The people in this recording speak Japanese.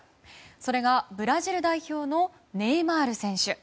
それがブラジル代表のネイマール選手。